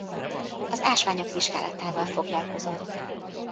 Az ásványok vizsgálatával foglalkozott.